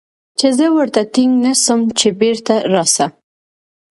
چې زه ورته ټينګ نه سم چې بېرته راسه.